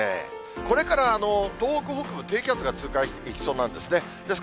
これから東北北部、低気圧が通過していきそうなんですね。